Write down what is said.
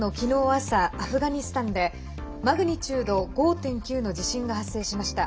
朝アフガニスタンでマグニチュード５．９の地震が発生しました。